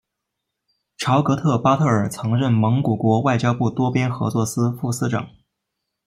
朝格特巴特尔曾任蒙古国外交部多边合作司副司长。